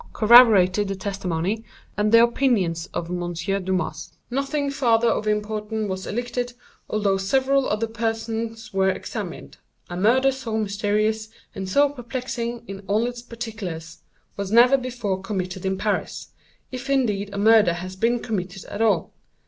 Corroborated the testimony, and the opinions of M. Dumas. "Nothing farther of importance was elicited, although several other persons were examined. A murder so mysterious, and so perplexing in all its particulars, was never before committed in Paris—if indeed a murder has been committed at all.